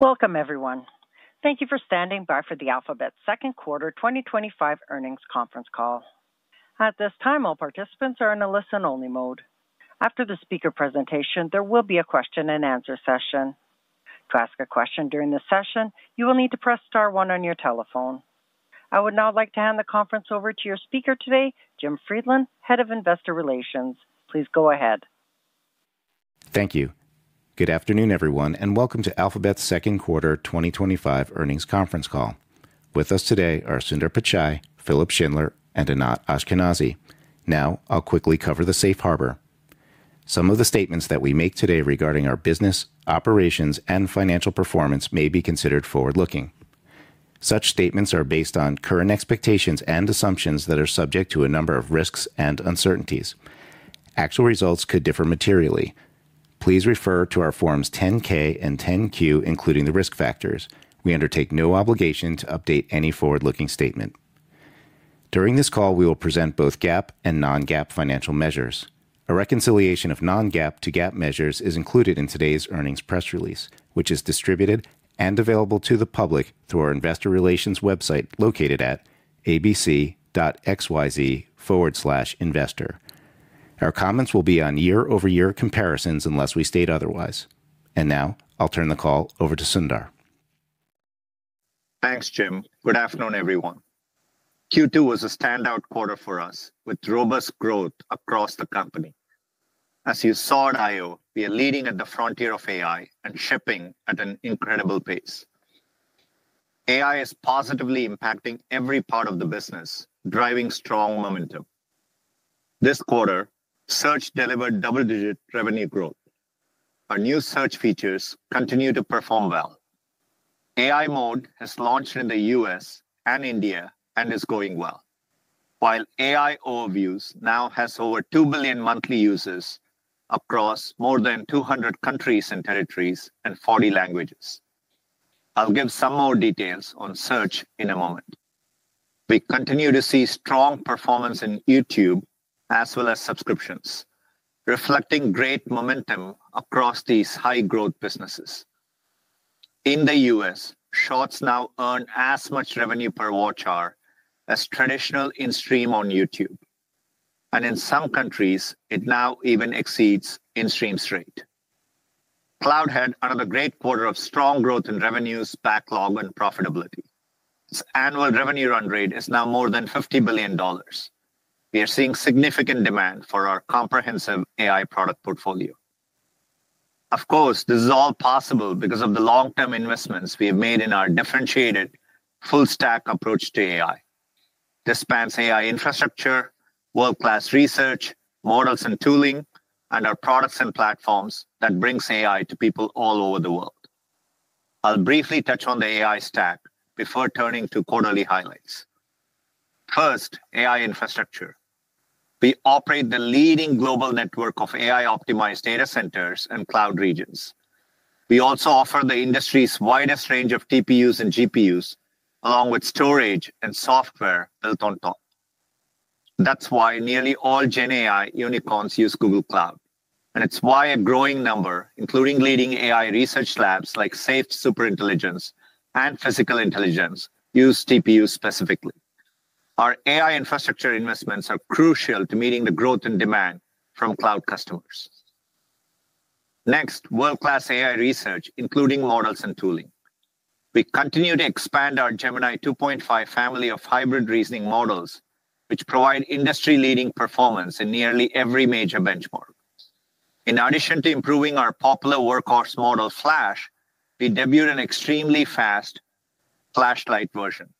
Welcome, everyone. Thank you for standing by for the Alphabet Second Quarter 2025 Earnings Conference Call. At this time, all participants are in a listen-only mode. After the speaker presentation, there will be a question-and-answer session. To ask a question during the session, you will need to press star one on your telephone. I would now like to hand the conference over to your speaker today, Jim Friedland, Head of Investor Relations. Please go ahead. Thank you. Good afternoon, everyone, and welcome to Alphabet's Second Quarter 2025 Earnings Conference Call. With us today are Sundar Pichai, Philipp Schindler, and Anat Ashkenazi. Now, I'll quickly cover the safe harbor. Some of the statements that we make today regarding our business, operations, and financial performance may be considered forward-looking. Such statements are based on current expectations and assumptions that are subject to a number of risks and uncertainties. Actual results could differ materially. Please refer to our Forms 10-K and 10-Q, including the risk factors. We undertake no obligation to update any forward-looking statement. During this call, we will present both GAAP and non-GAAP financial measures. A reconciliation of non-GAAP to GAAP measures is included in today's earnings press release, which is distributed and available to the public through our investor relations website located at abc.xyz/investor. Our comments will be on year-over-year comparisons unless we state otherwise. I'll turn the call over to Sundar. Thanks, Jim. Good afternoon, everyone. Q2 was a standout quarter for us, with robust growth across the company. As you saw at I/O, we are leading at the frontier of AI and shipping at an incredible pace. AI is positively impacting every part of the business, driving strong momentum. This quarter, Search delivered double-digit revenue growth. Our new Search features continue to perform well. AI Mode has launched in the U.S. and India and is going well, while AI Overviews now has over 2 billion monthly users across more than 200 countries and territories and 40 languages. I'll give some more details on Search in a moment. We continue to see strong performance in YouTube as well as subscriptions, reflecting great momentum across these high-growth businesses. In the U.S., Shorts now earn as much revenue per watch hour as traditional in-stream on YouTube. In some countries, it now even exceeds in-stream straight. Cloud had a great quarter of strong growth in revenues, backlog, and profitability. Its annual revenue run rate is now more than $50 billion. We are seeing significant demand for our comprehensive AI product portfolio. Of course, this is all possible because of the long-term investments we have made in our differentiated full-stack approach to AI. This spans AI infrastructure, world-class research, models and tooling, and our products and platforms that bring AI to people all over the world. I'll briefly touch on the AI stack before turning to quarterly highlights. First, AI infrastructure. We operate the leading global network of AI-optimized data centers and cloud regions. We also offer the industry's widest range of TPUs and GPUs, along with storage and software built on top. That's why nearly all Gen AI unicorns use Google Cloud. It is why a growing number, including leading AI research labs like Safe Superintelligence and Physical Intelligence, use TPUs specifically. Our AI infrastructure investments are crucial to meeting the growth in demand from cloud customers. Next, world-class AI research, including models and tooling. We continue to expand our Gemini 2.5 family of hybrid reasoning models, which provide industry-leading performance in nearly every major benchmark. In addition to improving our popular workhorse model, Flash, we debuted an extremely fast Flashlight version.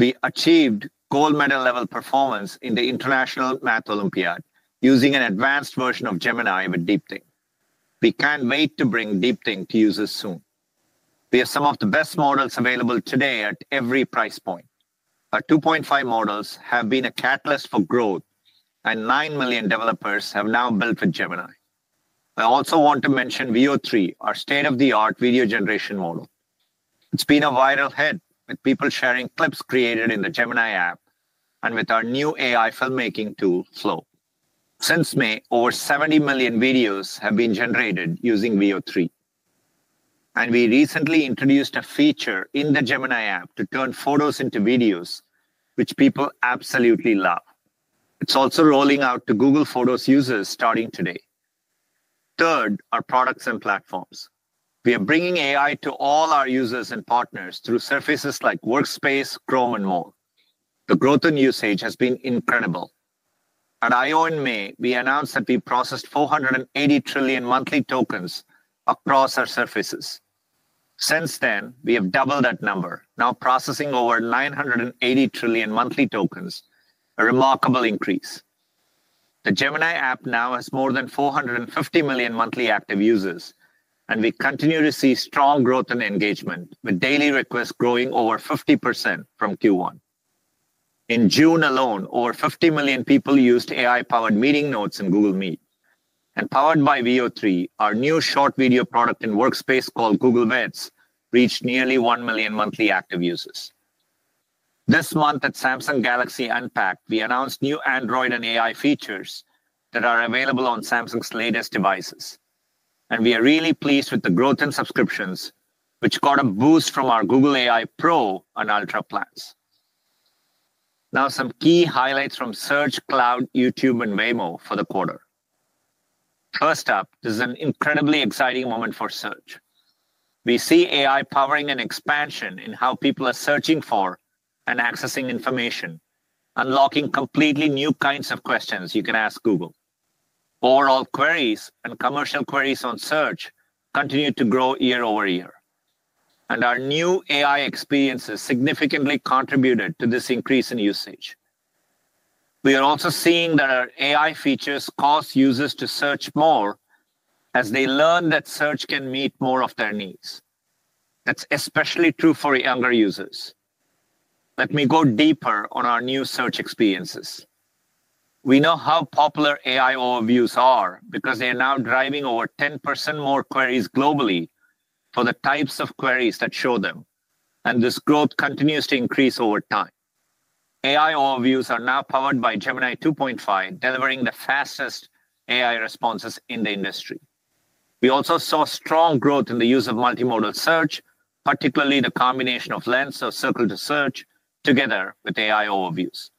We achieved gold medal-level performance in the International Math Olympiad using an advanced version of Gemini with Deep Think. We cannot wait to bring Deep Think to users soon. We have some of the best models available today at every price point. Our 2.5 models have been a catalyst for growth, and 9 million developers have now built with Gemini. I also want to mention Veo 3, our state-of-the-art video generation model. It's been a viral hit with people sharing clips created in the Gemini app and with our new AI filmmaking tool, Flo. Since May, over 70 million videos have been generated using Veo 3. We recently introduced a feature in the Gemini App to turn photos into videos, which people absolutely love. It's also rolling out to Google Photos users starting today. Third, our products and platforms. We are bringing AI to all our users and partners through surfaces like Workspace, Chrome, and more. The growth in usage has been incredible. At I/O in May, we announced that we processed 480 trillion monthly tokens across our surfaces. Since then, we have doubled that number, now processing over 980 trillion monthly tokens, a remarkable increase. The Gemini app now has more than 450 million monthly active users, and we continue to see strong growth in engagement, with daily requests growing over 50% from Q1. In June alone, over 50 million people used AI-powered meeting notes in Google Meet. Powered by Veo 3, our new short video product in Workspace called Google Vids reached nearly 1 million monthly active users. This month at Samsung Galaxy Unpacked, we announced new Android and AI features that are available on Samsung's latest devices. We are really pleased with the growth in subscriptions, which caught a boost from our Google AI Pro and Ultra plans. Now, some key highlights from Search, Cloud, YouTube, and Waymo for the quarter. First up is an incredibly exciting moment for Search. We see AI powering an expansion in how people are searching for and accessing information, unlocking completely new kinds of questions you can ask Google. Overall queries and commercial queries on Search continue to grow year over year. Our new AI experiences significantly contributed to this increase in usage. We are also seeing that our AI features cause users to search more as they learn that Search can meet more of their needs. That is especially true for younger users. Let me go deeper on our new Search experiences. We know how popular AI Overviews are because they are now driving over 10% more queries globally for the types of queries that show them. This growth continues to increase over time. AI Overviews are now powered by Gemini 2.5, delivering the fastest AI responses in the industry. We also saw strong growth in the use of multimodal search, particularly the combination of Lens and Circle to Search together with AI Overviews.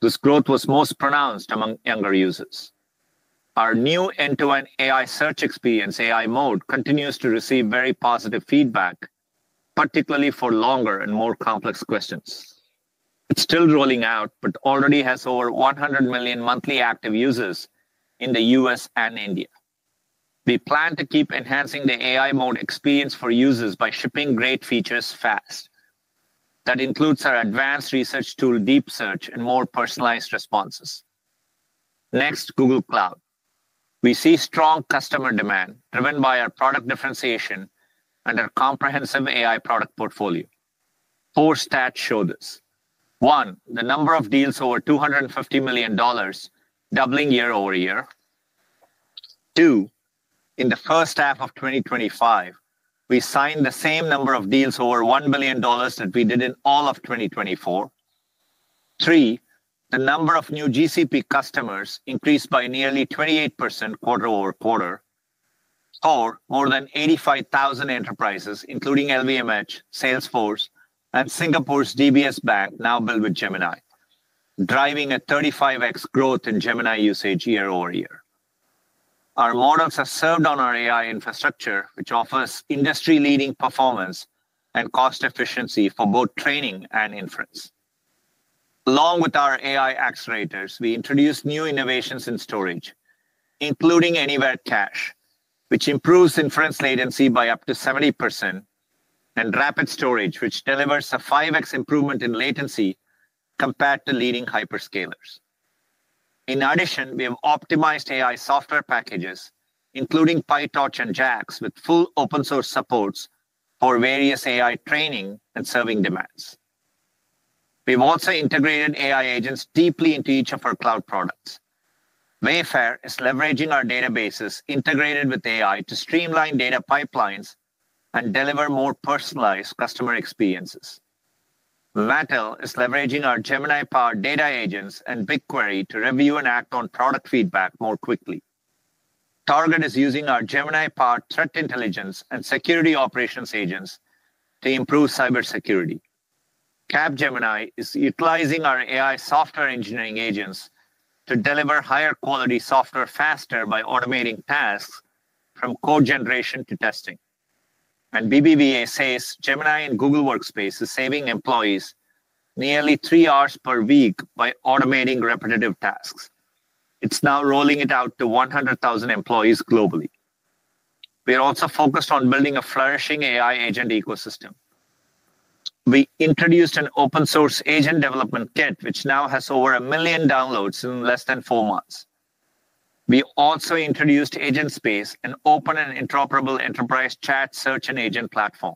This growth was most pronounced among younger users. Our new end-to-end AI search experience, AI Mode, continues to receive very positive feedback, particularly for longer and more complex questions. It's still rolling out, but already has over 100 million monthly active users in the US and India. We plan to keep enhancing the AI Mode experience for users by shipping great features fast. That includes our advanced research tool, Deep Search, and more personalized responses. Next, Google Cloud. We see strong customer demand driven by our product differentiation and our comprehensive AI product portfolio. Four stats show this. One, the number of deals over $250 million, doubling year-over-year. Two, in the first half of 2025, we signed the same number of deals over $1 billion that we did in all of 2024. Three, the number of new GCP customers increased by nearly 28% quarter-over-quarter. Four, more than 85,000 enterprises, including LVMH, Salesforce, and Singapore's DBS Bank, now build with Gemini, driving a 35x growth in Gemini usage year over year. Our models are served on our AI infrastructure, which offers industry-leading performance and cost efficiency for both training and inference. Along with our AI accelerators, we introduced new innovations in storage, including Anywhere Cache, which improves inference latency by up to 70%, and Rapid Storage, which delivers a 5x improvement in latency compared to leading hyperscalers. In addition, we have optimized AI software packages, including PyTorch and JAX, with full open-source support for various AI training and serving demands. We've also integrated AI agents deeply into each of our cloud products. Wayfair is leveraging our databases integrated with AI to streamline data pipelines and deliver more personalized customer experiences. Mattel is leveraging our Gemini-powered data agents and BigQuery to review and act on product feedback more quickly. Target is using our Gemini-powered threat intelligence and security operations agents to improve cybersecurity. Capgemini is utilizing our AI software engineering agents to deliver higher quality software faster by automating tasks from code generation to testing. BBVA says Gemini and Google Workspace are saving employees nearly three hours per week by automating repetitive tasks. It is now rolling it out to 100,000 employees globally. We are also focused on building a flourishing AI agent ecosystem. We introduced an open-source agent development kit, which now has over a million downloads in less than four months. We also introduced Agent Space, an open and interoperable enterprise chat, search, and agent platform.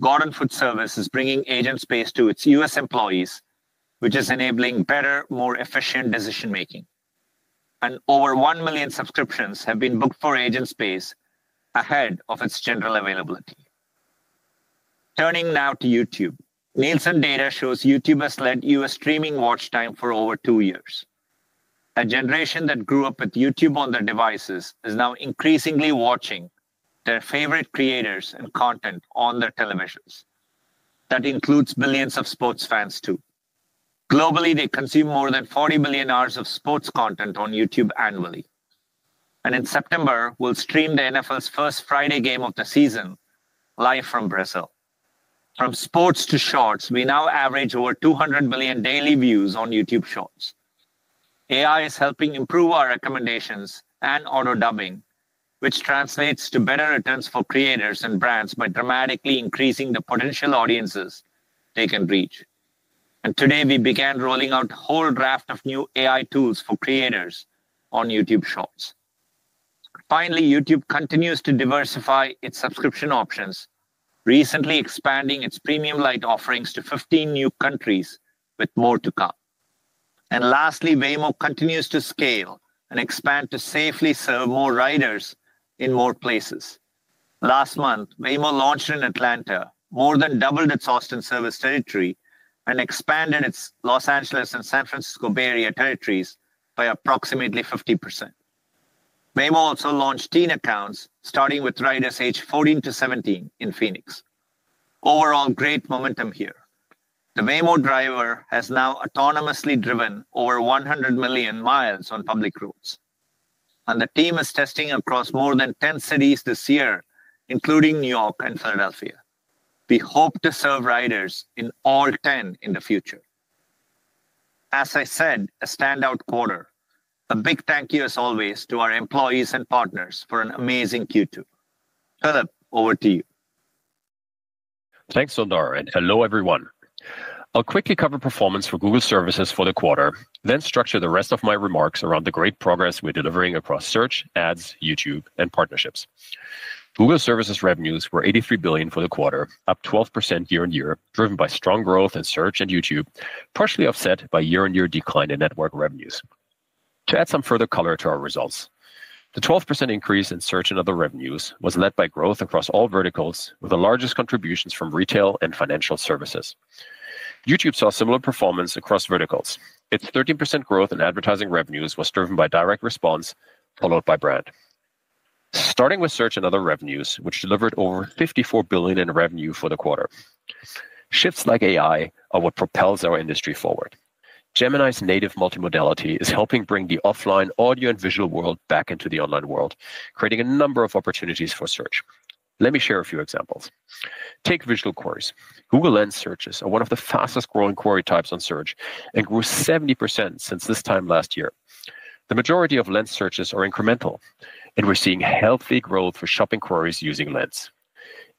Gordon Food Service is bringing Agent Space to its U.S. employees, which is enabling better, more efficient decision-making. Over 1 million subscriptions have been booked for Agent Space ahead of its general availability. Turning now to YouTube, Nielsen data shows YouTube has led U..S streaming watch time for over two years. A generation that grew up with YouTube on their devices is now increasingly watching their favorite creators and content on their televisions. That includes billions of sports fans too. Globally, they consume more than 40 million hours of sports content on YouTube annually. In September, we will stream the NFL's First Friday Game of the season live from Brazil. From sports to Shorts, we now average over 200 million daily views on YouTube Shorts. AI is helping improve our recommendations and auto-dubbing, which translates to better returns for creators and brands by dramatically increasing the potential audiences they can reach. Today, we began rolling out a whole raft of new AI tools for creators on YouTube Shorts. Finally, YouTube continues to diversify its subscription options, recently expanding its premium light offerings to 15 new countries with more to come. Lastly, Waymo continues to scale and expand to safely serve more riders in more places. Last month, Waymo launched in Atlanta, more than doubled its Austin service territory, and expanded its Los Angeles and San Francisco Bay Area territories by approximately 50%. Waymo also launched teen accounts, starting with riders aged 14-17 in Phoenix. Overall, great momentum here. The Waymo Driver has now autonomously driven over 100 million miles on public roads. The team is testing across more than 10 cities this year, including New York and Philadelphia. We hope to serve riders in all 10 in the future. As I said, a standout quarter. A big thank you as always to our employees and partners for an amazing Q2. Philippp, over to you. Thanks, Sundar. Hello, everyone. I'll quickly cover performance for Google Services for the quarter, then structure the rest of my remarks around the great progress we're delivering across Search, Ads, YouTube, and partnerships. Google Services revenues were $83 billion for the quarter, up 12% year on year, driven by strong growth in Search and YouTube, partially offset by year-on-year decline in network revenues. To add some further color to our results, the 12% increase in Search and other revenues was led by growth across all verticals, with the largest contributions from retail and financial services. YouTube saw similar performance across verticals. Its 13% growth in advertising revenues was driven by direct response followed by brand. Starting with Search and other revenues, which delivered over $54 billion in revenue for the quarter. Shifts like AI are what propels our industry forward. Gemini's native multimodality is helping bring the offline audio and visual world back into the online world, creating a number of opportunities for Search. Let me share a few examples. Take visual queries. Google Lens searches are one of the fastest growing query types on Search and grew 70% since this time last year. The majority of Lens searches are incremental, and we're seeing healthy growth for shopping queries using Lens.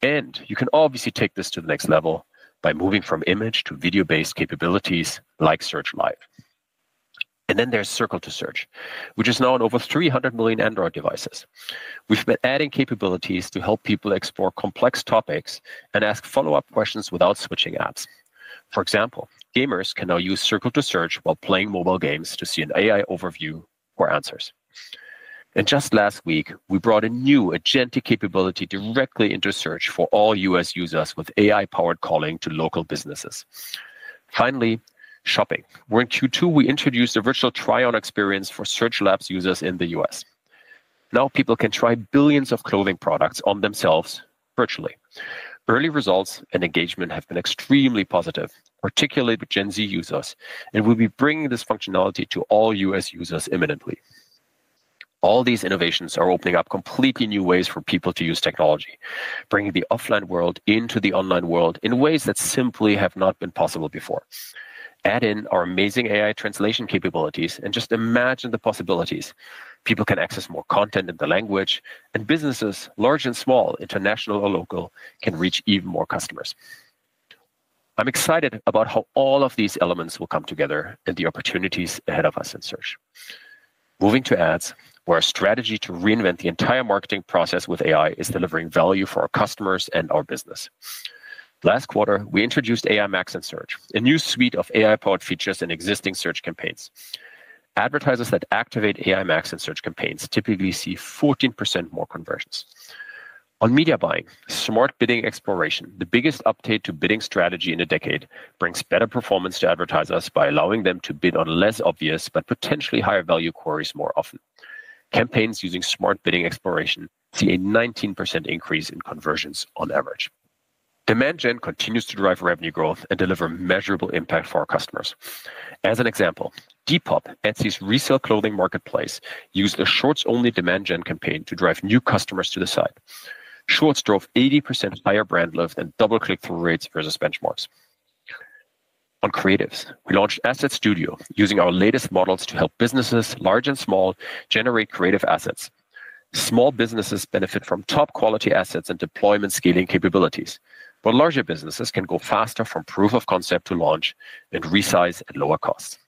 You can obviously take this to the next level by moving from image to video-based capabilities like Search Live. There is Circle to Search, which is now on over 300 million Android devices. We have been adding capabilities to help people explore complex topics and ask follow-up questions without switching apps. For example, gamers can now use Circle to Search while playing mobile games to see an AI Overview or answers. Just last week, we brought a new agentic capability directly into Search for all U.S. users with AI-powered calling to local businesses. Finally, shopping. In Q2, we introduced a virtual try-on experience for Search Labs users in the U.S. Now people can try billions of clothing products on themselves virtually. Early results and engagement have been extremely positive, particularly with Gen Z users. We will be bringing this functionality to all U.S. users imminently. All these innovations are opening up completely new ways for people to use technology, bringing the offline world into the online world in ways that simply have not been possible before. Add in our amazing AI translation capabilities, and just imagine the possibilities. People can access more content in the language, and businesses, large and small, international or local, can reach even more customers. I'm excited about how all of these elements will come together and the opportunities ahead of us in Search. Moving to Ads, where our strategy to reinvent the entire marketing process with AI is delivering value for our customers and our business. Last quarter, we introduced AI Max in Search, a new suite of AI-powered features in existing Search campaigns. Advertisers that activate AI Max in Search campaigns typically see 14% more conversions. On media buying, Smart Bidding Exploration, the biggest update to bidding strategy in a decade, brings better performance to advertisers by allowing them to bid on less obvious but potentially higher value queries more often. Campaigns using Smart Bidding Exploration see a 19% increase in conversions on average. Demand Gen continues to drive revenue growth and deliver measurable impact for our customers. As an example, Depop, Etsy's resale clothing marketplace, used a Shorts-only Demand Gen campaign to drive new customers to the site. Shorts drove 80% higher brand lift and double-click-through rates versus benchmarks. On creatives, we launched Asset Studio using our latest models to help businesses large and small generate creative assets. Small businesses benefit from top-quality assets and deployment scaling capabilities, but larger businesses can go faster from proof of concept to launch and resize at lower costs.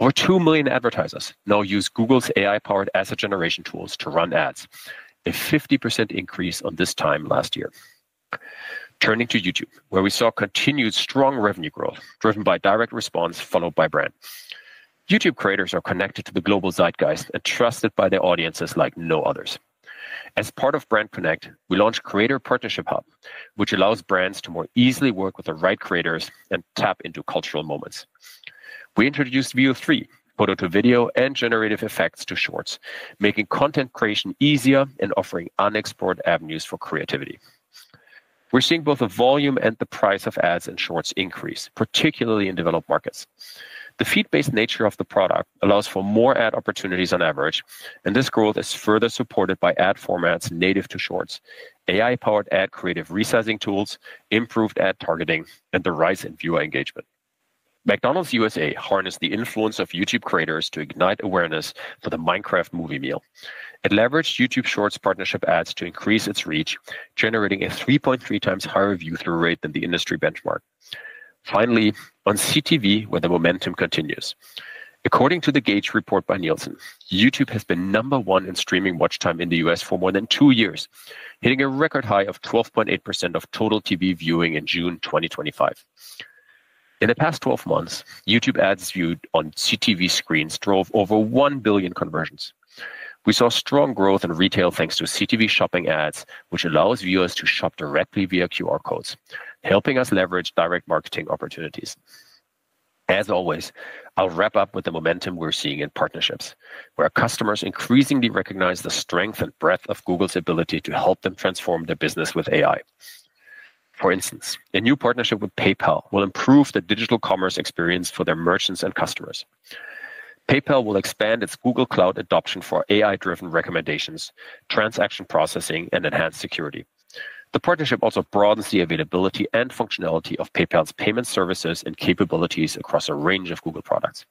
Over 2 million advertisers now use Google's AI-powered asset generation tools to run ads, a 50% increase on this time last year. Turning to YouTube, where we saw continued strong revenue growth driven by direct response followed by brand. YouTube creators are connected to the global zeitgeist and trusted by their audiences like no others. As part of Brand Connect, we launched Creator Partnership Hub, which allows brands to more easily work with the right creators and tap into cultural moments. We introduced Veo 3, photo to video, and generative effects to Shorts, making content creation easier and offering unexplored avenues for creativity. We're seeing both the volume and the price of ads in Shorts increase, particularly in developed markets. The feed-based nature of the product allows for more ad opportunities on average, and this growth is further supported by ad formats native to Shorts, AI-powered ad creative resizing tools, improved ad targeting, and the rise in viewer engagement. McDonald's USA harnessed the influence of YouTube creators to ignite awareness for the Minecraft movie meal. It leveraged YouTube Shorts partnership ads to increase its reach, generating a 3.3 times higher view-through rate than the industry benchmark. Finally, on CTV, where the momentum continues. According to the Gauge Report by Nielsen, YouTube has been number one in streaming watch time in the U.S. for more than two years, hitting a record high of 12.8% of total TV viewing in June 2025. In the past 12 months, YouTube ads viewed on CTV screens drove over 1 billion conversions. We saw strong growth in retail thanks to CTV shopping ads, which allows viewers to shop directly via QR codes, helping us leverage direct marketing opportunities. As always, I'll wrap up with the momentum we're seeing in partnerships, where customers increasingly recognize the strength and breadth of Google's ability to help them transform their business with AI. For instance, a new partnership with PayPal will improve the digital commerce experience for their merchants and customers. PayPal will expand its Google Cloud adoption for AI-driven recommendations, transaction processing, and enhanced security. The partnership also broadens the availability and functionality of PayPal's payment services and capabilities across a range of Google products.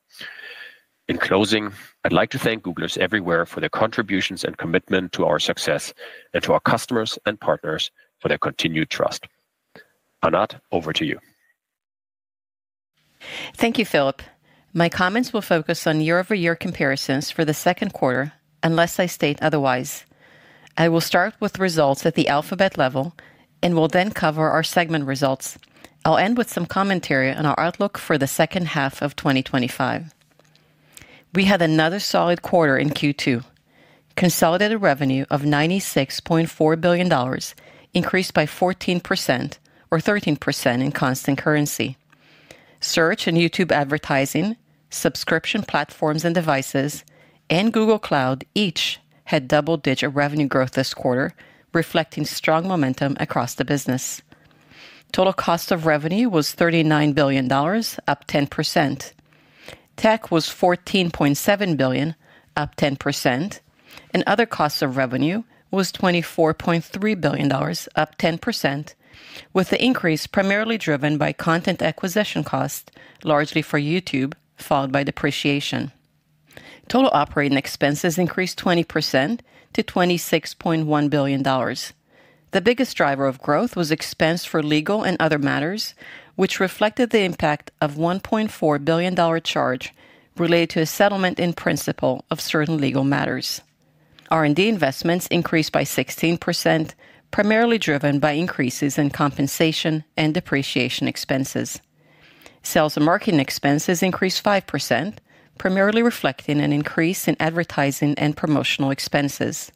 In closing, I'd like to thank Googlers everywhere for their contributions and commitment to our success and to our customers and partners for their continued trust. Anat, over to you. Thank you, Philipp. My comments will focus on year-over-year comparisons for the second quarter, unless I state otherwise. I will start with results at the Alphabet level and will then cover our segment results. I'll end with some commentary on our outlook for the second half of 2025. We had another solid quarter in Q2, consolidated revenue of $96.4 billion, increased by 14% or 13% in constant currency. Search and YouTube advertising, subscription platforms and devices, and Google Cloud each had double-digit revenue growth this quarter, reflecting strong momentum across the business. Total cost of revenue was $39 billion, up 10%. Tech was $14.7 billion, up 10%. Other costs of revenue was $24.3 billion, up 10%, with the increase primarily driven by content acquisition costs, largely for YouTube, followed by depreciation. Total operating expenses increased 20% to $26.1 billion. The biggest driver of growth was expense for legal and other matters, which reflected the impact of a $1.4 billion charge related to a settlement in principle of certain legal matters. R&D investments increased by 16%, primarily driven by increases in compensation and depreciation expenses. Sales and marketing expenses increased 5%, primarily reflecting an increase in advertising and promotional expenses.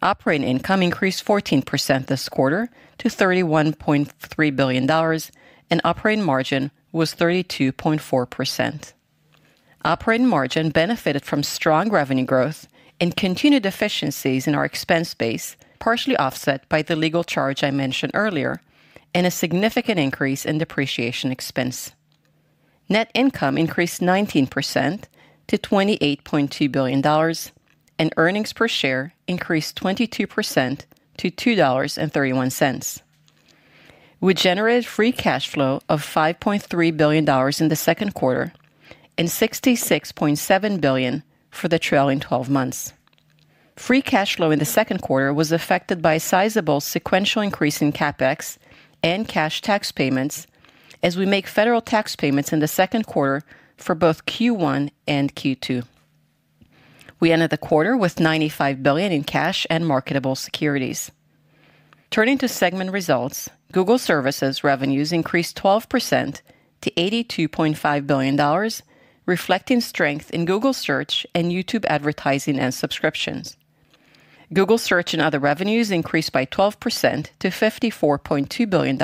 Operating income increased 14% this quarter to $31.3 billion, and operating margin was 32.4%. Operating margin benefited from strong revenue growth and continued efficiencies in our expense base, partially offset by the legal charge I mentioned earlier and a significant increase in depreciation expense. Net income increased 19% to $28.2 billion, and earnings per share increased 22% to $2.31. We generated free cash flow of $5.3 billion in the second quarter and $66.7 billion for the trailing 12 months. Free cash flow in the second quarter was affected by a sizable sequential increase in CapEx and cash tax payments as we make federal tax payments in the second quarter for both Q1 and Q2. We ended the quarter with $95 billion in cash and marketable securities. Turning to segment results, Google Services revenues increased 12% to $82.5 billion, reflecting strength in Google Search and YouTube advertising and subscriptions. Google Search and other revenues increased by 12% to $54.2 billion.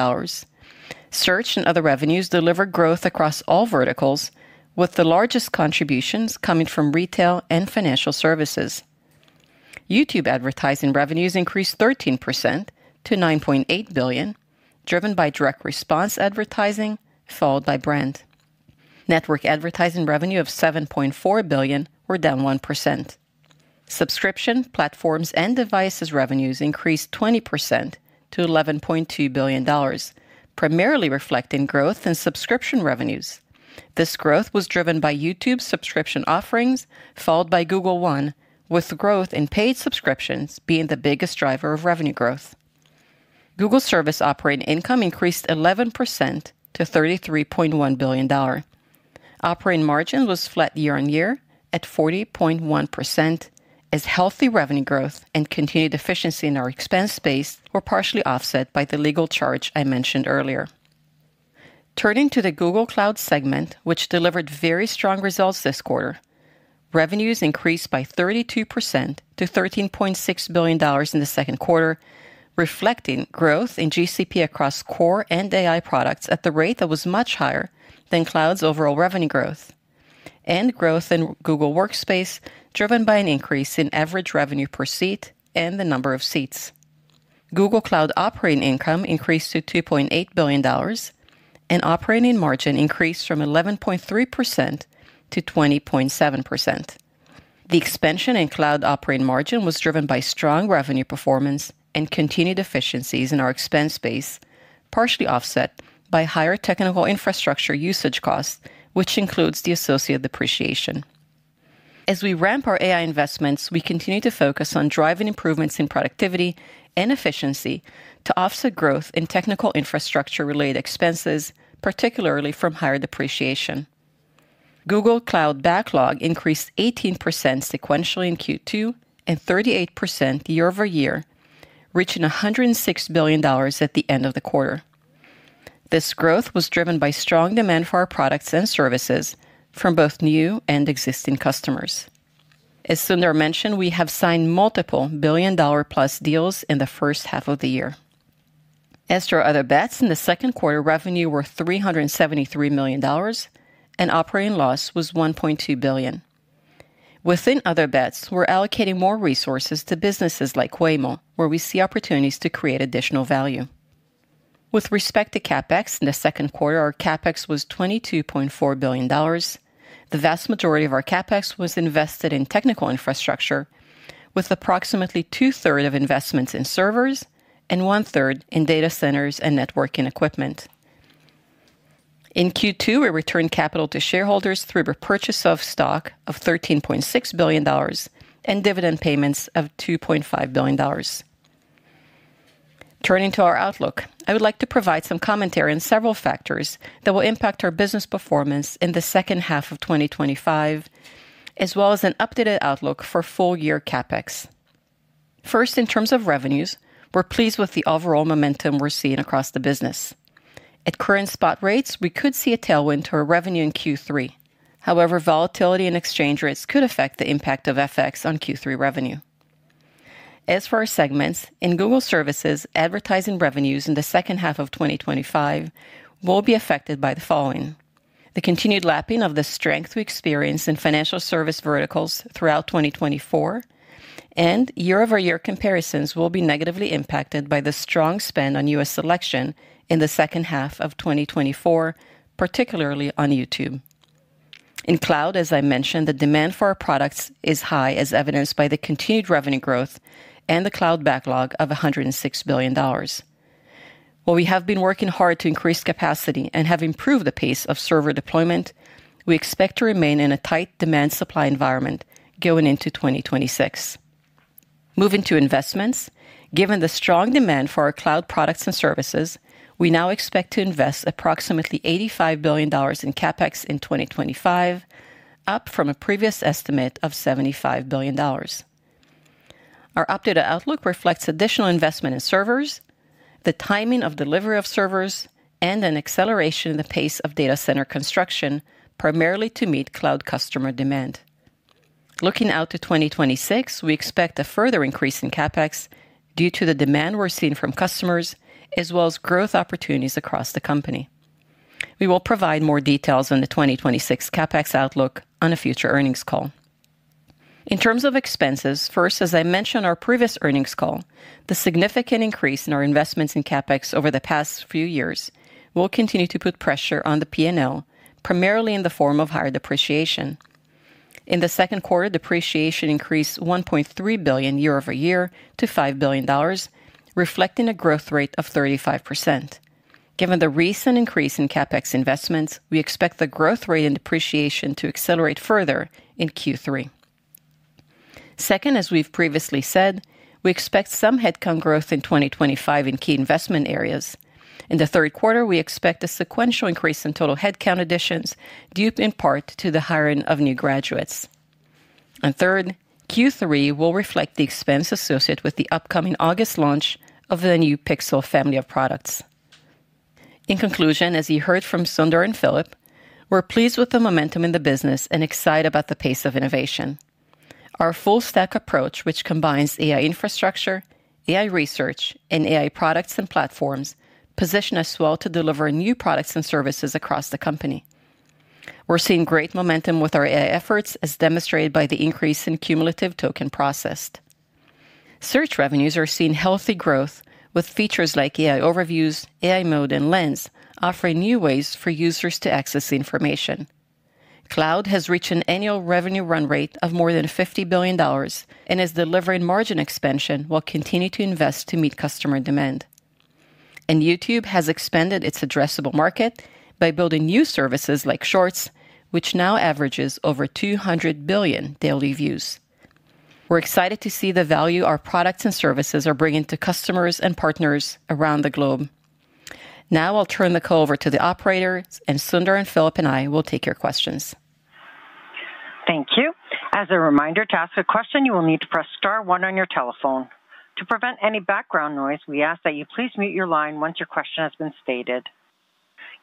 Search and other revenues delivered growth across all verticals, with the largest contributions coming from retail and financial services. YouTube advertising revenues increased 13% to $9.8 billion, driven by direct response advertising, followed by brand. Network advertising revenue of $7.4 billion were down 1%. Subscription platforms and devices revenues increased 20% to $11.2 billion, primarily reflecting growth in subscription revenues. This growth was driven by YouTube subscription offerings, followed by Google One, with growth in paid subscriptions being the biggest driver of revenue growth. Google Services operating income increased 11% to $33.1 billion. Operating margin was flat year on year at 40.1%, as healthy revenue growth and continued efficiency in our expense base were partially offset by the legal charge I mentioned earlier. Turning to the Google Cloud segment, which delivered very strong results this quarter, revenues increased by 32% to $13.6 billion in the second quarter, reflecting growth in GCP across core and AI products at the rate that was much higher than Cloud's overall revenue growth, and growth in Google Workspace driven by an increase in average revenue per seat and the number of seats. Google Cloud operating income increased to $2.8 billion, and operating margin increased from 11.3% to 20.7%. The expansion in Cloud operating margin was driven by strong revenue performance and continued efficiencies in our expense base, partially offset by higher technical infrastructure usage costs, which includes the associated depreciation. As we ramp our AI investments, we continue to focus on driving improvements in productivity and efficiency to offset growth in technical infrastructure-related expenses, particularly from higher depreciation. Google Cloud backlog increased 18% sequentially in Q2 and 38% year-over-year, reaching $106 billion at the end of the quarter. This growth was driven by strong demand for our products and services from both new and existing customers. As Sundar mentioned, we have signed multiple billion-dollar-plus deals in the first half of the year. As for Other Bets, in the second quarter, revenue was $373 million, and operating loss was $1.2 billion. Within Other Bets, we're allocating more resources to businesses like Waymo, where we see opportunities to create additional value. With respect to CapEx in the second quarter, our CapEx was $22.4 billion. The vast majority of our CapEx was invested in technical infrastructure, with approximately two-thirds of investments in servers and one-third in data centers and networking equipment. In Q2, we returned capital to shareholders through repurchase of stock of $13.6 billion and dividend payments of $2.5 billion. Turning to our outlook, I would like to provide some commentary on several factors that will impact our business performance in the second half of 2025, as well as an updated outlook for full-year CapEx. First, in terms of revenues, we're pleased with the overall momentum we're seeing across the business. At current spot rates, we could see a tailwind to our revenue in Q3. However, volatility in exchange rates could affect the impact of FX on Q3 revenue. As for our segments, in Google Services, advertising revenues in the second half of 2025 will be affected by the following: the continued lapping of the strength we experienced in financial service verticals throughout 2024, and year-over-year comparisons will be negatively impacted by the strong spend on U.S. election in the second half of 2024, particularly on YouTube. In Cloud, as I mentioned, the demand for our products is high, as evidenced by the continued revenue growth and the Cloud backlog of $106 billion. While we have been working hard to increase capacity and have improved the pace of server deployment, we expect to remain in a tight demand-supply environment going into 2026. Moving to investments, given the strong demand for our Cloud products and services, we now expect to invest approximately $85 billion in CapEx in 2025, up from a previous estimate of $75 billion. Our updated outlook reflects additional investment in servers, the timing of delivery of servers, and an acceleration in the pace of data center construction, primarily to meet Cloud customer demand. Looking out to 2026, we expect a further increase in CapEx due to the demand we're seeing from customers, as well as growth opportunities across the company. We will provide more details on the 2026 CapEx outlook on a future earnings call. In terms of expenses, first, as I mentioned on our previous earnings call, the significant increase in our investments in CapEx over the past few years will continue to put pressure on the P&L, primarily in the form of higher depreciation. In the second quarter, depreciation increased $1.3 billion year-over-year to $5 billion, reflecting a growth rate of 35%. Given the recent increase in CapEx investments, we expect the growth rate in depreciation to accelerate further in Q3. Second, as we've previously said, we expect some headcount growth in 2025 in key investment areas. In the third quarter, we expect a sequential increase in total headcount additions, due in part to the hiring of new graduates. Third, Q3 will reflect the expense associated with the upcoming August launch of the new Pixel family of products. In conclusion, as you heard from Sundar and Philipp, we're pleased with the momentum in the business and excited about the pace of innovation. Our full-stack approach, which combines AI infrastructure, AI research, and AI products and platforms, positions us well to deliver new products and services across the company. We're seeing great momentum with our AI efforts, as demonstrated by the increase in cumulative tokens processed. Search revenues are seeing healthy growth, with features like AI Overviews, AI Mode, and Lens offering new ways for users to access information. Cloud has reached an annual revenue run rate of more than $50 billion and is delivering margin expansion while continuing to invest to meet customer demand. YouTube has expanded its addressable market by building new services like Shorts, which now averages over 200 billion daily views. We're excited to see the value our products and services are bringing to customers and partners around the globe. Now I'll turn the call over to the operators, and Sundar and Philippp and I will take your questions. Thank you. As a reminder to ask a question, you will need to press star one on your telephone. To prevent any background noise, we ask that you please mute your line once your question has been stated.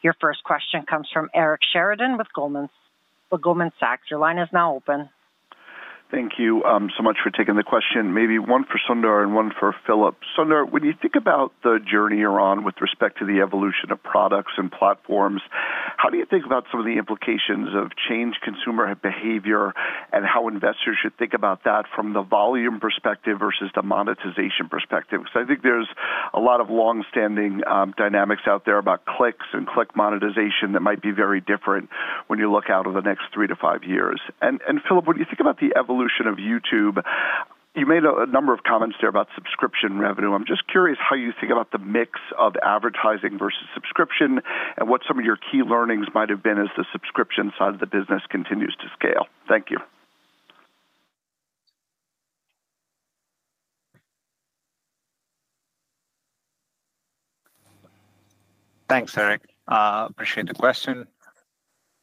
Your first question comes from Eric Sheridan with Goldman Sachs. Your line is now open. Thank you so much for taking the question. Maybe one for Sundar and one for Philipp. Sundar, when you think about the journey you're on with respect to the evolution of products and platforms, how do you think about some of the implications of changed consumer behavior and how investors should think about that from the volume perspective versus the monetization perspective? I think there's a lot of long-standing dynamics out there about clicks and click monetization that might be very different when you look out over the next 3-5 years. Philipp, when you think about the evolution of YouTube, you made a number of comments there about subscription revenue. I'm just curious how you think about the mix of advertising versus subscription and what some of your key learnings might have been as the subscription side of the business continues to scale. Thank you. Thanks, Eric. Appreciate the question.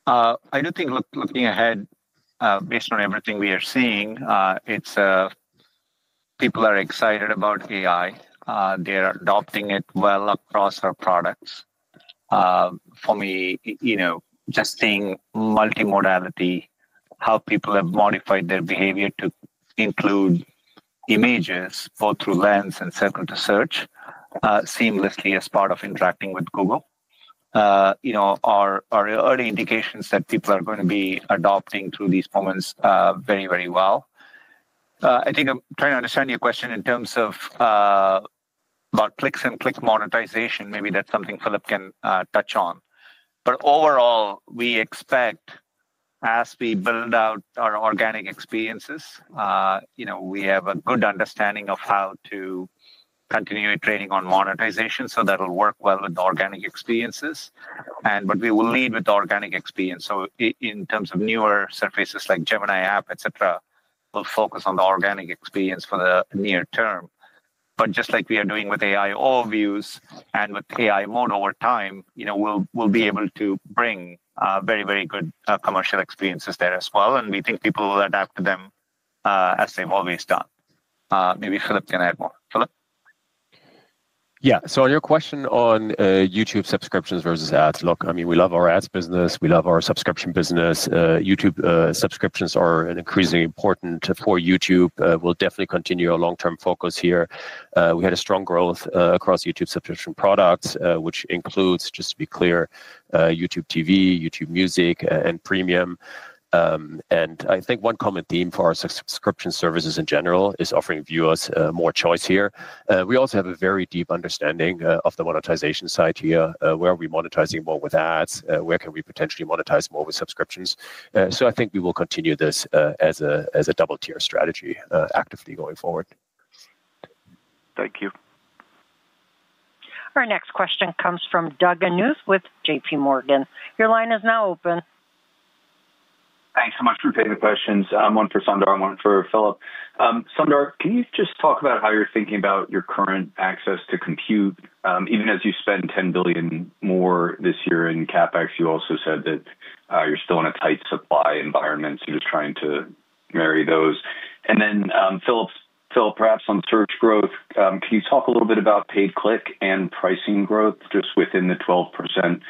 I do think looking ahead based on everything we are seeing, people are excited about AI. They are adopting it well across our products. For me, just seeing multimodality, how people have modified their behavior to include images both through Lens and Circle to Search seamlessly as part of interacting with Google, are early indications that people are going to be adopting through these moments very, very well. I think I'm trying to understand your question in terms of about Clicks and Click monetization. Maybe that's something Philippp can touch on. Overall, we expect as we build out our organic experiences, we have a good understanding of how to continue training on monetization so that it will work well with the organic experiences. We will lead with the organic experience. In terms of newer surfaces like Gemini App, etc., we will focus on the organic experience for the near term. Just like we are doing with AI Overviews and with AI Mode over time, we will be able to bring very, very good commercial experiences there as well. We think people will adapt to them as they have always done. Maybe Philipp can add more. Philipp? Yeah. On your question on YouTube subscriptions versus Ads, look, I mean, we love our ads business. We love our subscription business. YouTube subscriptions are increasingly important for YouTube. We will definitely continue our long-term focus here. We had a strong growth across YouTube subscription products, which includes, just to be clear, YouTube TV, YouTube Music, and Premium. I think one common theme for our subscription services in general is offering viewers more choice here. We also have a very deep understanding of the monetization side here. Where are we monetizing more with Ads? Where can we potentially monetize more with subscriptions? I think we will continue this as a double-tier strategy actively going forward. Thank you. Our next question comes from Doug Anmuth with JPMorgan. Your line is now open. Thanks so much for taking the questions. One for Sundar and one for Philipp. Sundar, can you just talk about how you're thinking about your current access to compute? Even as you spend $10 billion more this year in CapEx, you also said that you're still in a tight supply environment, so you're just trying to marry those. And then Philipp, perhaps on search growth, can you talk a little bit about paid click and pricing growth just within the 12% search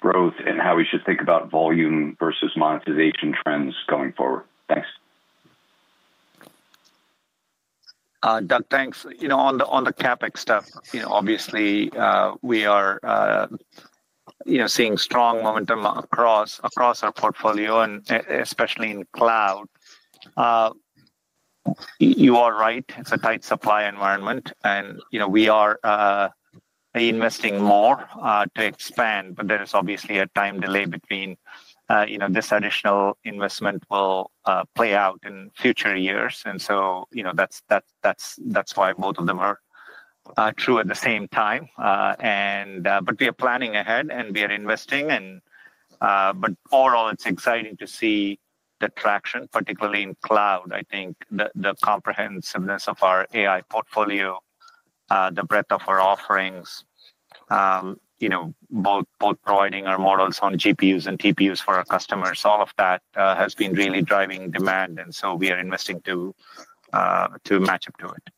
growth and how we should think about volume versus monetization trends going forward? Thanks. Doug, thanks. On the CapEx stuff, obviously, we are seeing strong momentum across our portfolio, and especially in Cloud. You are right. It's a tight supply environment. We are investing more to expand. There is obviously a time delay between this additional investment will play out in future years. That is why both of them are true at the same time. We are planning ahead, and we are investing. Overall, it's exciting to see the traction, particularly in Cloud. I think the comprehensiveness of our AI portfolio, the breadth of our offerings, both providing our models on GPUs and TPUs for our customers, all of that has been really driving demand. We are investing to match up to it.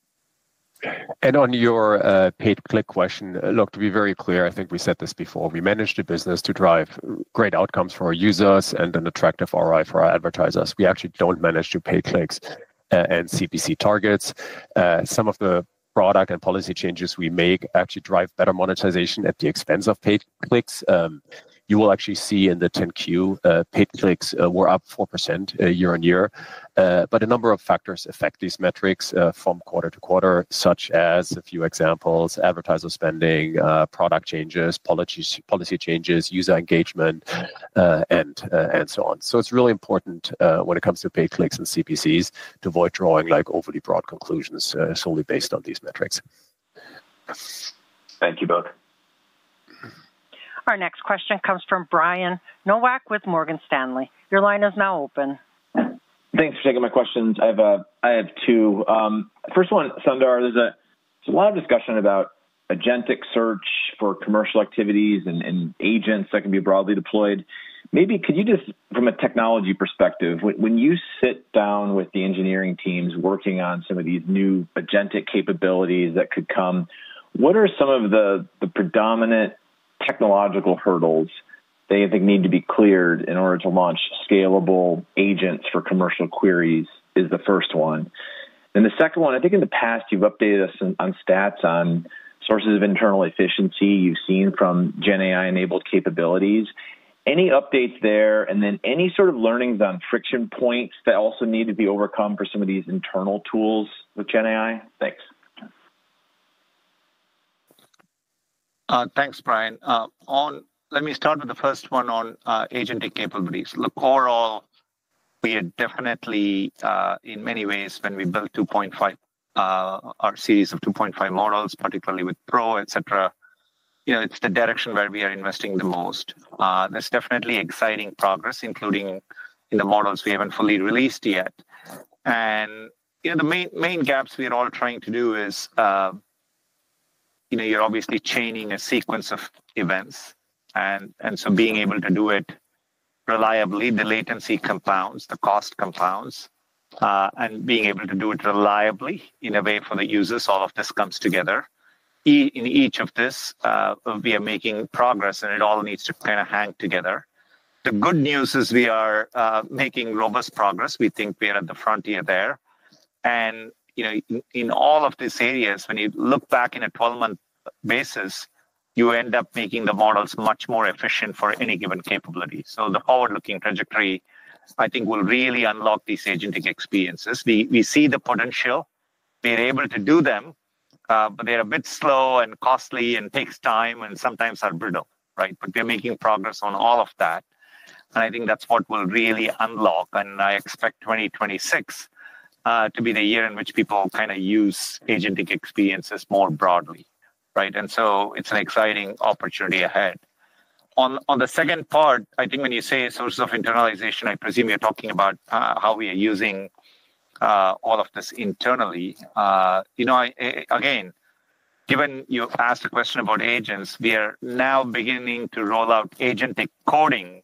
On your paid click question, look, to be very clear, I think we said this before. We manage the business to drive great outcomes for our users and an attractive ROI for our advertisers. We actually don't manage to pay clicks and CPC targets. Some of the product and policy changes we make actually drive better monetization at the expense of paid clicks. You will actually see in the 10-Q, paid clicks were up 4% year-on-year. A number of factors affect these metrics from quarter to quarter, such as a few examples: advertiser spending, product changes, policy changes, user engagement, and so on. It is really important when it comes to paid clicks and CPCs to avoid drawing overly broad conclusions solely based on these metrics. Thank you both. Our next question comes from Brian Nowak with Morgan Stanley. Your line is now open. Thanks for taking my questions. I have two. First one, Sundar, there is a lot of discussion about agentic search for commercial activities and agents that can be broadly deployed. Maybe could you just, from a technology perspective, when you sit down with the engineering teams working on some of these new agentic capabilities that could come, what are some of the predominant technological hurdles that you think need to be cleared in order to launch scalable agents for commercial queries is the first one. The second one, I think in the past, you've updated us on stats on sources of internal efficiency you've seen from GenAI-enabled capabilities. Any updates there? Any sort of learnings on friction points that also need to be overcome for some of these internal tools with GenAI? Thanks. Thanks, Brian. Let me start with the first one on agentic capabilities. Look, overall, we are definitely, in many ways, when we built our series of 2.5 models, particularly with Pro, etc., it's the direction where we are investing the most. There's definitely exciting progress, including in the models we haven't fully released yet. The main gaps we are all trying to do is you're obviously chaining a sequence of events. Being able to do it reliably, the latency compounds, the cost compounds. Being able to do it reliably in a way for the users, all of this comes together. In each of this, we are making progress, and it all needs to kind of hang together. The good news is we are making robust progress. We think we are at the frontier there. In all of these areas, when you look back in a 12-month basis, you end up making the models much more efficient for any given capability. The forward-looking trajectory, I think, will really unlock these agentic experiences. We see the potential. We are able to do them, but they're a bit slow and costly and take time and sometimes are brittle. They're making progress on all of that. I think that's what will really unlock. I expect 2026 to be the year in which people kind of use agentic experiences more broadly. It is an exciting opportunity ahead. On the second part, I think when you say sources of internalization, I presume you're talking about how we are using all of this internally. Again, given you asked the question about agents, we are now beginning to roll out agentic coding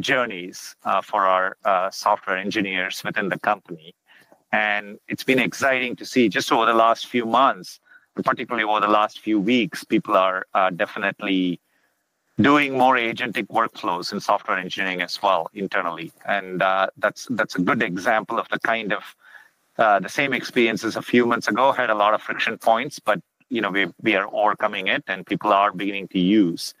journeys for our software engineers within the company. It's been exciting to see just over the last few months, particularly over the last few weeks, people are definitely doing more agentic workflows in software engineering as well internally. That is a good example of the same experiences a few months ago had a lot of friction points, but we are overcoming it, and people are beginning to use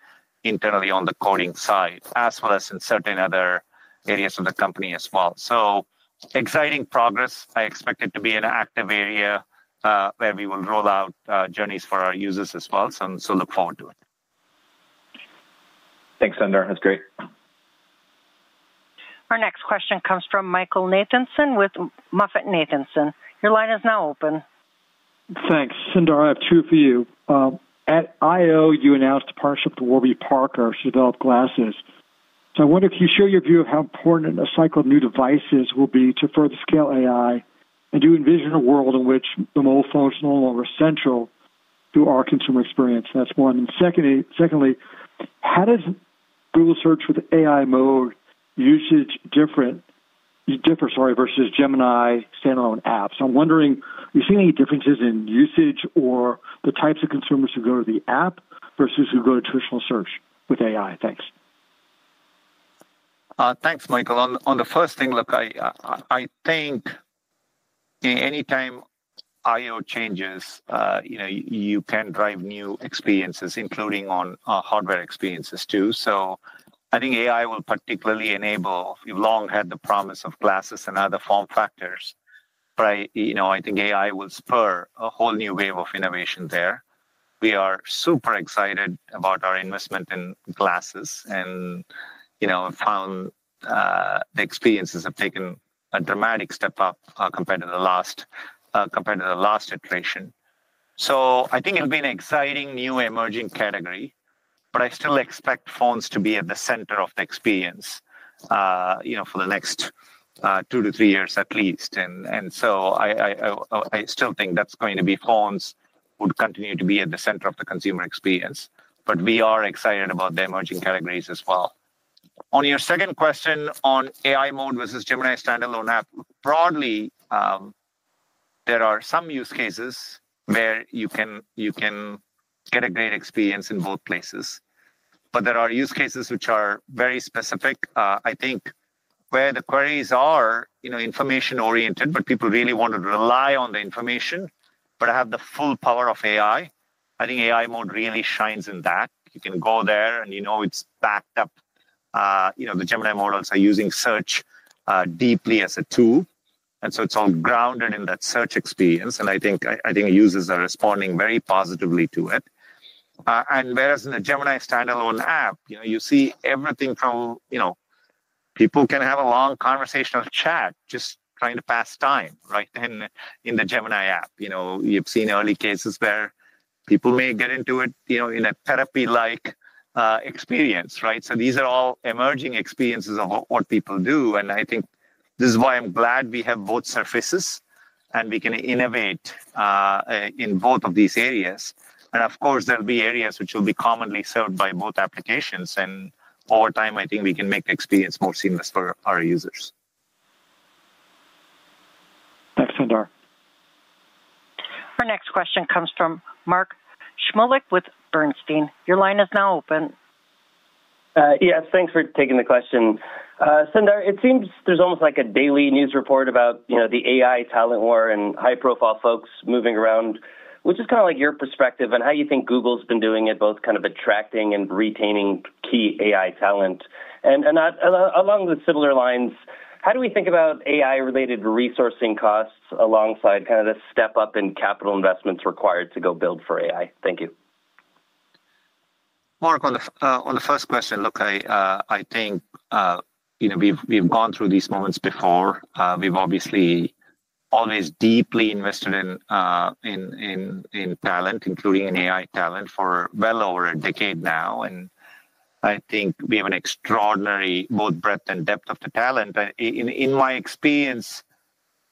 internally on the coding side as well as in certain other areas of the company as well. Exciting progress. I expect it to be an active area where we will roll out journeys for our users as well. I look forward to it. Thanks, Sundar. That is great. Our next question comes from Michael Nathanson with Moffett Nathanson. Your line is now open. Thanks. Sundar, I have two for you. At I/O, you announced a partnership with Warby Parker to develop glasses. I wonder if you share your view of how important a cycle of new devices will be to further scale AI. Do you envision a world in which the mobile phones are no longer central to our consumer experience? That is one. Secondly, how does Google Search with AI Mode use it different versus Gemini standalone apps? I am wondering, do you see any differences in usage or the types of consumers who go to the app versus who go to traditional search with AI? Thanks. Thanks, Michael. On the first thing, look, I think anytime I/O changes, you can drive new experiences, including on hardware experiences too. I think AI will particularly enable, we have long had the promise of glasses and other form factors, but I think AI will spur a whole new wave of innovation there. We are super excited about our investment in glasses and found the experiences have taken a dramatic step up compared to the last iteration. I think it'll be an exciting new emerging category, but I still expect phones to be at the center of the experience for the next two to three years at least. I still think that's going to be phones would continue to be at the center of the consumer experience. We are excited about the emerging categories as well. On your second question on AI Mode versus Gemini standalone app, broadly, there are some use cases where you can get a great experience in both places. There are use cases which are very specific. I think where the queries are information-oriented, but people really want to rely on the information, but have the full power of AI. I think AI Mode really shines in that. You can go there and you know it's backed up. The Gemini models are using Search deeply as a tool. It is all grounded in that search experience. I think users are responding very positively to it. Whereas in the Gemini standalone app, you see everything from people having a long conversational chat just trying to pass time in the Gemini app. You have seen early cases where people may get into it in a therapy-like experience. These are all emerging experiences of what people do. I think this is why I am glad we have both surfaces and we can innovate in both of these areas. Of course, there will be areas which will be commonly served by both applications. Over time, I think we can make the experience more seamless for our users. Thanks, Sundar. Our next question comes from Mark Shmulik with Bernstein. Your line is now open. Yes. Thanks for taking the question. Sundar, it seems there's almost like a daily news report about the AI talent war and high-profile folks moving around, which is kind of like your perspective and how you think Google's been doing it, both kind of attracting and retaining key AI talent. Along with similar lines, how do we think about AI-related resourcing costs alongside kind of the step-up in capital investments required to go build for AI? Thank you. Mark, on the first question, look, I think we've gone through these moments before. We've obviously always deeply invested in talent, including in AI talent, for well over a decade now. I think we have an extraordinary both breadth and depth of the talent. In my experience,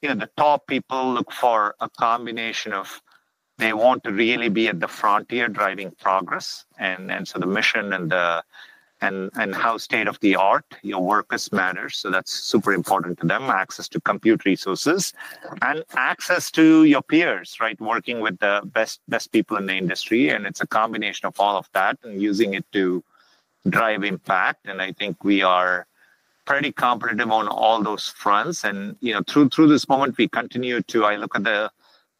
the top people look for a combination of they want to really be at the frontier driving progress. The mission and how state-of-the-art your workers matter. That's super important to them, access to compute resources and access to your peers, working with the best people in the industry. It's a combination of all of that and using it to drive impact. I think we are pretty competitive on all those fronts. Through this moment, we continue to, I look at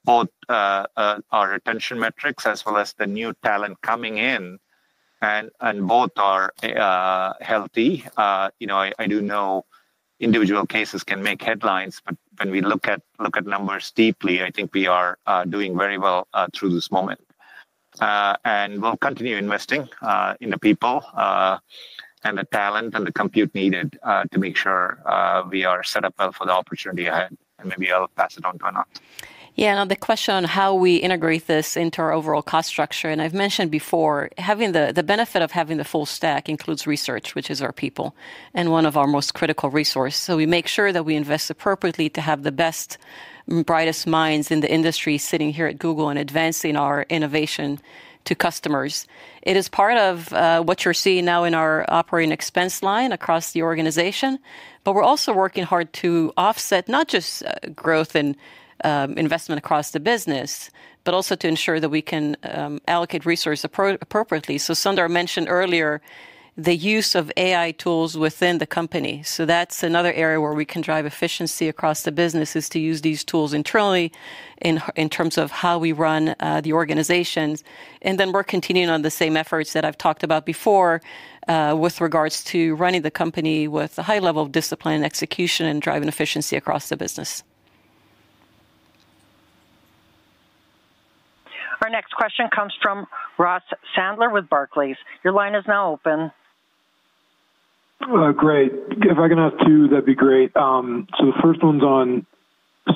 both our retention metrics as well as the new talent coming in. Both are healthy. I do know individual cases can make headlines. When we look at numbers deeply, I think we are doing very well through this moment. We'll continue investing in the people and the talent and the compute needed to make sure we are set up well for the opportunity ahead. Maybe I'll pass it on to Anat. Yeah. On the question on how we integrate this into our overall cost structure, I've mentioned before, the benefit of having the full stack includes research, which is our people and one of our most critical resources. We make sure that we invest appropriately to have the best and brightest minds in the industry sitting here at Google and advancing our innovation to customers. It is part of what you're seeing now in our operating expense line across the organization. We're also working hard to offset not just growth and investment across the business, but also to ensure that we can allocate resources appropriately. Sundar mentioned earlier the use of AI tools within the company. That's another area where we drive efficiency across the business, to use these tools internally in terms of how we run the organizations. We are continuing on the same efforts that I have talked about before with regards to running the company with a high level of discipline and execution and driving efficiency across the business. Our next question comes from Ross Sandler with Barclays. Your line is now open. Great. If I can ask two, that would be great. The first one is on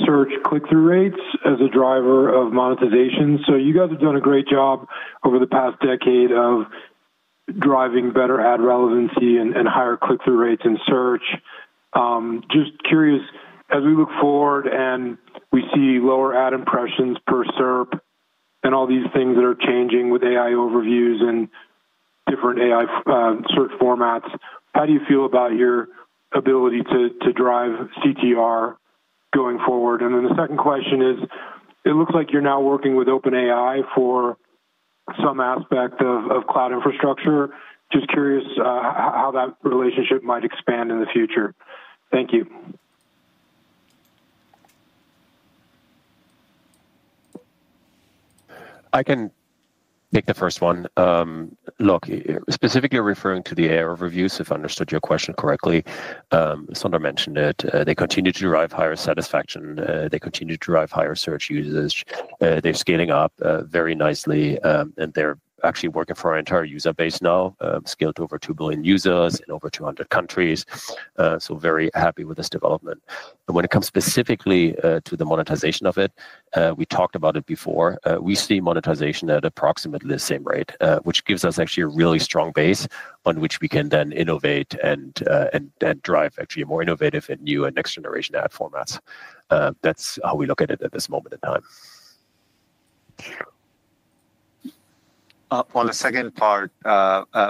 search click-through rates as a driver of monetization. You have done a great job over the past decade of driving better ad relevancy and higher click-through rates in search. Just curious, as we look forward and we see lower ad impressions per SERP and all these things that are changing with AI Overviews and different AI search formats, how do you feel about your ability to drive CTR going forward? The second question is, it looks like you're now working with OpenAI for some aspect of cloud infrastructure. Just curious how that relationship might expand in the future. Thank you. I can take the first one. Specifically referring to the AI Overviews, if I understood your question correctly, Sundar mentioned it. They continue to drive higher satisfaction. They continue to drive higher search usage. They're scaling up very nicely. They're actually working for our entire user base now, scaled to over 2 billion users in over 200 countries. Very happy with this development. When it comes specifically to the monetization of it, we talked about it before. We see monetization at approximately the same rate, which gives us a really strong base on which we can then innovate and drive more innovative and new and next-generation ad formats. That's how we look at it at this moment in time. On the second part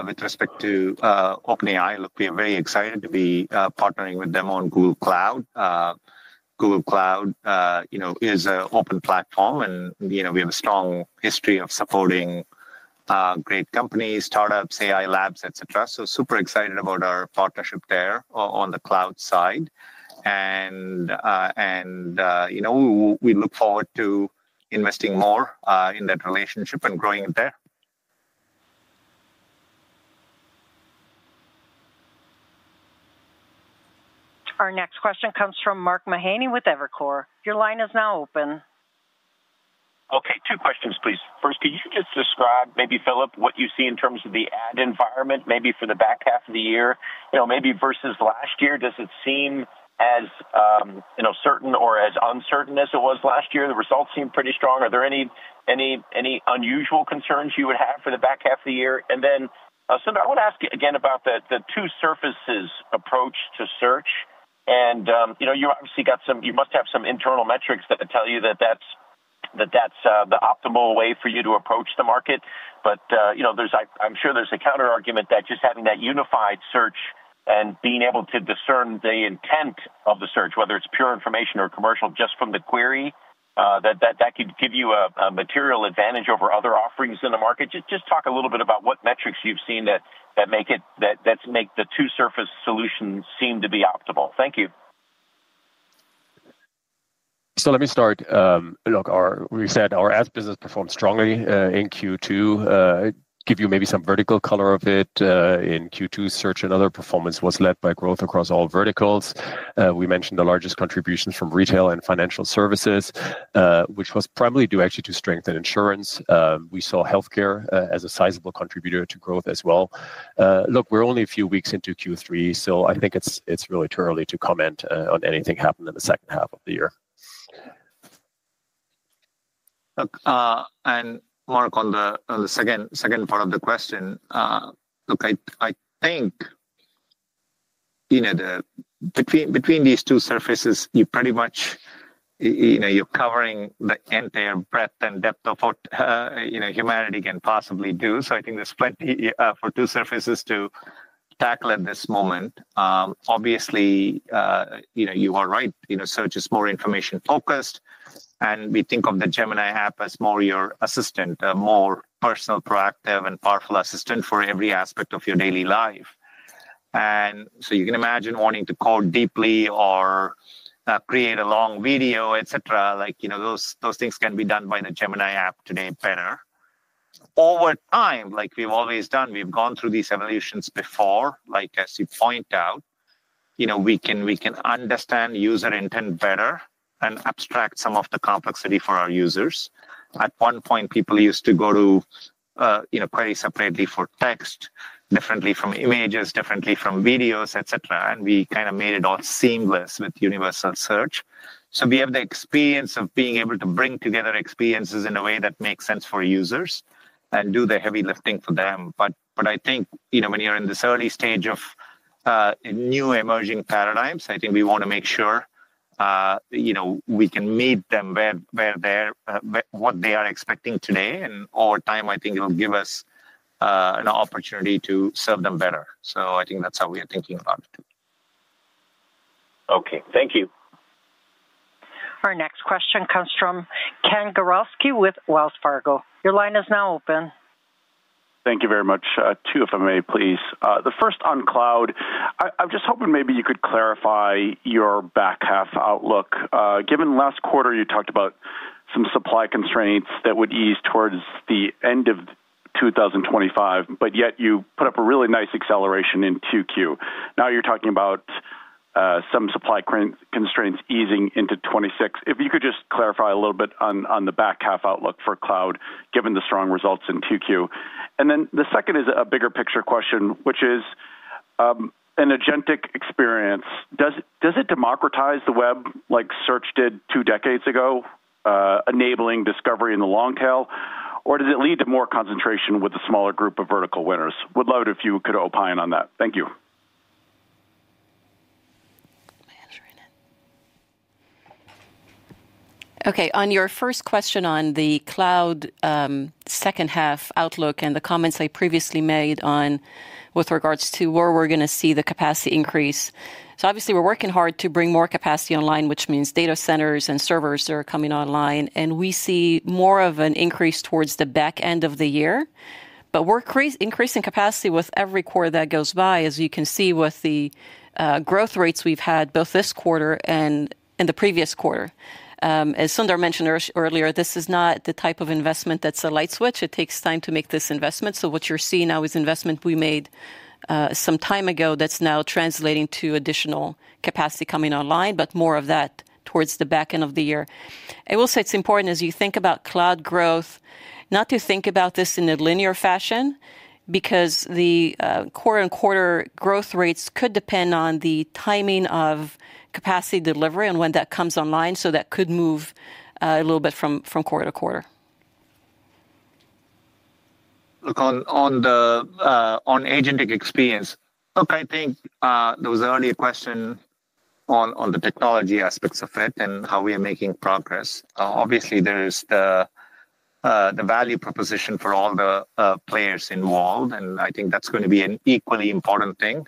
with respect to OpenAI, look, we are very excited to be partnering with them on Google Cloud. Google Cloud is an open platform. We have a strong history of supporting great companies, startups, AI labs, etc. Super excited about our partnership there on the cloud side. We look forward to investing more in that relationship and growing it there. Our next question comes from Mark Mahaney with Evercore. Your line is now open. Okay. Two questions, please. First, could you just describe, maybe, Philipp, what you see in terms of the ad environment, maybe for the back half of the year, maybe versus last year? Does it seem as certain or as uncertain as it was last year? The results seem pretty strong. Are there any unusual concerns you would have for the back half of the year? Sundar, I want to ask you again about the two surfaces approach to search. You obviously got some, you must have some internal metrics that tell you that that's the optimal way for you to approach the market. I'm sure there's a counterargument that just having that unified search and being able to discern the intent of the search, whether it's pure information or commercial just from the query, that could give you a material advantage over other offerings in the market. Just talk a little bit about what metrics you've seen that make the two-surface solution seem to be optimal. Thank you. Let me start. Look, we said our ad business performed strongly in Q2. Give you maybe some vertical color of it. In Q2, search and other performance was led by growth across all verticals. We mentioned the largest contributions from retail and financial services, which was primarily due actually to strength in insurance. We saw healthcare as a sizable contributor to growth as well. Look, we're only a few weeks into Q3, so I think it's really too early to comment on anything happened in the second half of the year. Mark, on the second part of the question, look, I think between these two surfaces, you're covering the entire breadth and depth of what humanity can possibly do. I think there's plenty for two surfaces to tackle at this moment. Obviously, you are right. Search is more information-focused. We think of the Gemini app as more your assistant, a more personal, proactive, and powerful assistant for every aspect of your daily life. You can imagine wanting to code deeply or create a long video, etc. Those things can be done by the Gemini app today better. Over time, like we've always done, we've gone through these evolutions before. As you point out, we can understand user intent better and abstract some of the complexity for our users. At one point, people used to go to query separately for text, differently from images, differently from videos, etc. We kind of made it all seamless with universal search. We have the experience of being able to bring together experiences in a way that makes sense for users and do the heavy lifting for them. I think when you're in this early stage of new emerging paradigms, I think we want to make sure we can meet them where they're, what they are expecting today. Over time, I think it'll give us an opportunity to serve them better. I think that's how we are thinking about it. Thank you. Our next question comes from Ken Gorowski with Wells Fargo. Your line is now open. Thank you very much. Two, if I may, please. The first on cloud, I'm just hoping maybe you could clarify your back half outlook. Given last quarter, you talked about some supply constraints that would ease towards the end of 2025, but yet you put up a really nice acceleration in Q2. Now you're talking about some supply constraints easing into 2026. If you could just clarify a little bit on the back half outlook for cloud, given the strong results in Q2. And then the second is a bigger picture question, which is an agentic experience. Does it democratize the web like search did two decades ago, enabling discovery in the long tail, or does it lead to more concentration with a smaller group of vertical winners? Would love it if you could opine on that. Thank you. Okay. On your first question on the cloud second half outlook and the comments I previously made with regards to where we're going to see the capacity increase. Obviously, we're working hard to bring more capacity online, which means data centers and servers are coming online. We see more of an increase towards the back end of the year. We're increasing capacity with every quarter that goes by, as you can see with the growth rates we've had both this quarter and in the previous quarter. As Sundar mentioned earlier, this is not the type of investment that's a light switch. It takes time to make this investment. What you're seeing now is investment we made some time ago that's now translating to additional capacity coming online, but more of that towards the back end of the year. I will say it's important, as you think about cloud growth, not to think about this in a linear fashion because the quarter-on-quarter growth rates could depend on the timing of capacity delivery and when that comes online. That could move a little bit from quarter to quarter. Look, on agentic experience, I think there was an earlier question on the technology aspects of it and how we are making progress. Obviously, there is the value proposition for all the players involved. I think that's going to be an equally important thing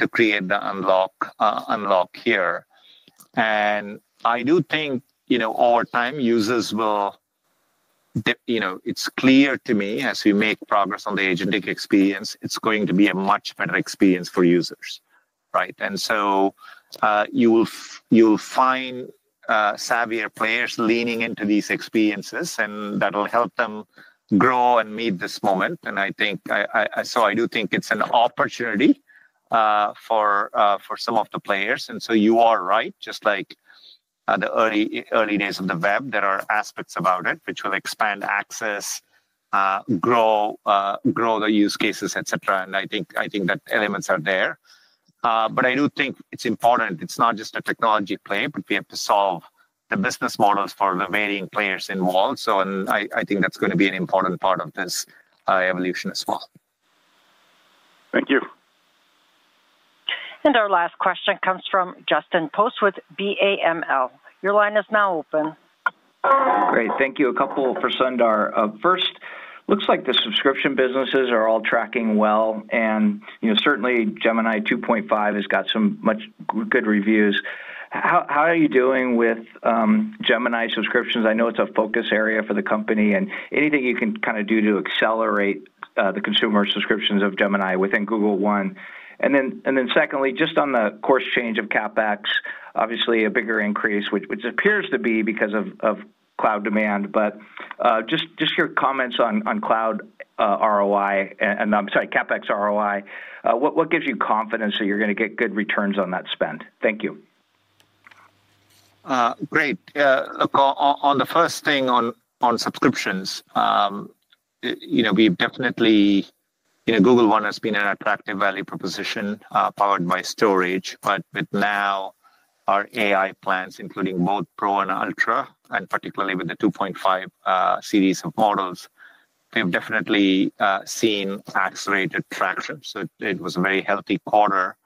to create the unlock here. I do think over time, users will, it's clear to me, as we make progress on the agentic experience, it's going to be a much better experience for users. You'll find savvier players leaning into these experiences, and that'll help them grow and meet this moment. I think it's an opportunity for some of the players. You are right, just like the early days of the web, there are aspects about it which will expand access, grow the use cases, etc. I think that elements are there. I do think it's important. It's not just a technology play, but we have to solve the business models for the varying players involved. I think that's going to be an important part of this evolution as well. Thank you. Our last question comes from Justin Post with BAML. Your line is now open. Great. Thank you. A couple for Sundar. First, looks like the subscription businesses are all tracking well. And certainly, Gemini 2.5 has got some much good reviews. How are you doing with Gemini subscriptions? I know it's a focus area for the company and anything you can kind of do to accelerate the consumer subscriptions of Gemini within Google One. And then secondly, just on the course change of CapEx, obviously a bigger increase, which appears to be because of cloud demand. But just your comments on cloud ROI, and I'm sorry, CapEx ROI, what gives you confidence that you're going to get good returns on that spend? Thank you. Great. Look, on the first thing on subscriptions, we've definitely, Google One has been an attractive value proposition powered by storage. With now our AI plans, including both Pro and Ultra, and particularly with the 2.5 series of models, we have definitely seen accelerated traction. It was a very healthy quarter.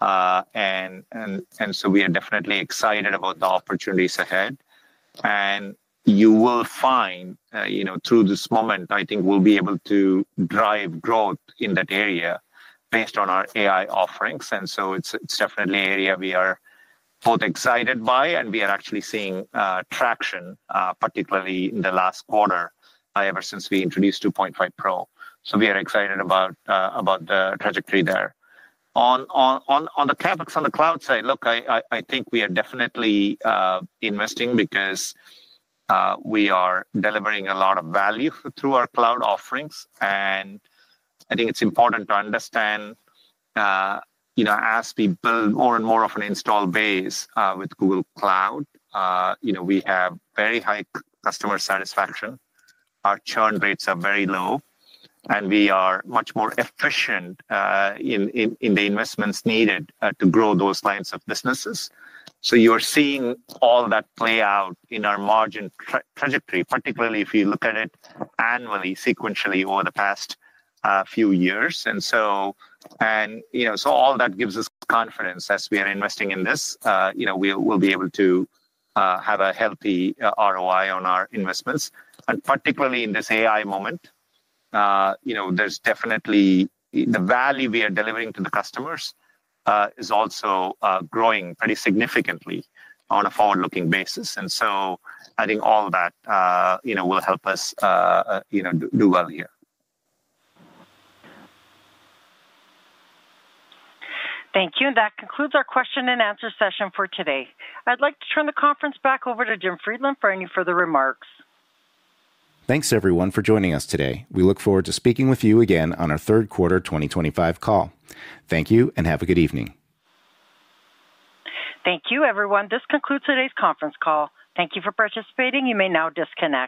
We are definitely excited about the opportunities ahead. You will find through this moment, I think we will be able to drive growth in that area based on our AI offerings. It is definitely an area we are both excited by, and we are actually seeing traction, particularly in the last quarter ever since we introduced 2.5 Pro. We are excited about the trajectory there. On the CapEx on the cloud side, look, I think we are definitely investing because we are delivering a lot of value through our cloud offerings. I think it's important to understand as we build more and more of an install base with Google Cloud, we have very high customer satisfaction. Our churn rates are very low, and we are much more efficient in the investments needed to grow those lines of businesses. You are seeing all that play out in our margin trajectory, particularly if you look at it annually, sequentially over the past few years. All that gives us confidence as we are investing in this. We'll be able to have a healthy ROI on our investments. Particularly in this AI moment, the value we are delivering to the customers is also growing pretty significantly on a forward-looking basis. I think all that will help us do well here. Thank you. That concludes our question and answer session for today. I'd like to turn the conference back over to Jim Friedland for any further remarks. Thanks, everyone, for joining us today. We look forward to speaking with you again on our third quarter 2025 call. Thank you, and have a good evening. Thank you, everyone. This concludes today's conference call. Thank you for participating. You may now disconnect.